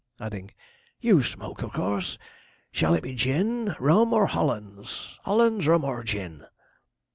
adding, 'You smoke, of course shall it be gin, rum, or Hollands Hollands, rum, or gin?'